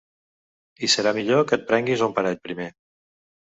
I serà millor que et prenguis un parell primer.